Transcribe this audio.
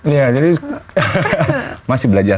iya jadi masih belajar